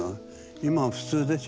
今は普通でしょ？